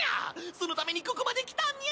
そのためにここまできたんニャ！